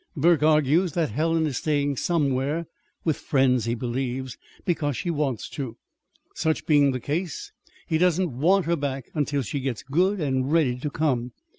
Burke argues that Helen is staying somewhere (with friends, he believes) because she wants to. Such being the case he doesn't want her back until she gets good and ready to come.